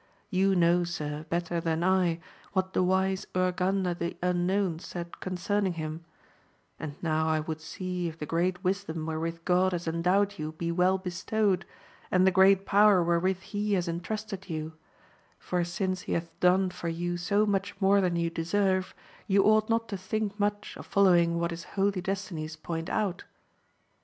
You know, sir, better than I, what the wise Urganda the Unknown said concerning him ; and now I would see if the great wisdom wherewith God has endowed you be well bestowed, and the great power wherewith he has entrusted you ; for since he hath done for you so much more than you deserve, you ought not to think much of following what his holy destinies point out.